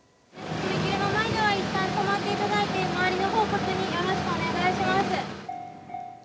踏切の前ではいったん止まっていただいて周りのほう確認よろしくお願いします。